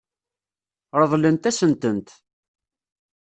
Ṛeḍlent-asen-tent.